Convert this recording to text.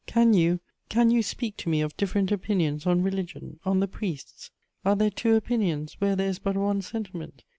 Can you, can you speak to me of different opinions on religion, on the priests? Are there two opinions where there is but one sentiment?